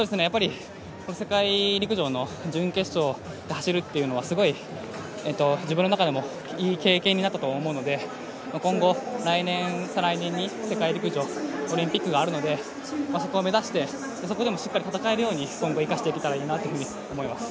世界陸上の準決勝で走るというのはすごい自分の中でもいい経験になったと思うので今後、来年、再来年に世界陸上、オリンピックがあるのでそこを目指して、そこでもしっかり戦えるように今後生かしていけたらいいなと思います。